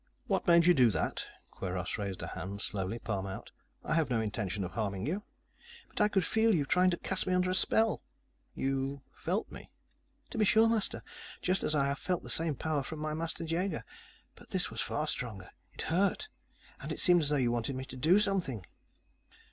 "What made you do that?" Kweiros raised a hand slowly, palm out. "I have no intention of harming you." "But I could feel you, trying to cast me under a spell." "You ... felt me?" "To be sure, Master, just as I have felt the same power from my master, Jaeger. But this was far stronger. It hurt. And it seemed as though you wanted me to do something."